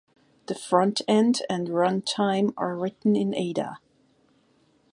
The front-end and run-time are written in Ada.